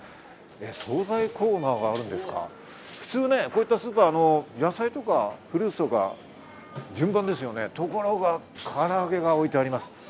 総菜コーナーがあるんですが、普通ね、こういったスーパーの野菜とかフルーツとか順番ですよね、ところが唐揚げが置いてあります。